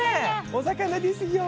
お魚ですよ！